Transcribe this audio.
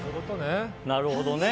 なるほどね。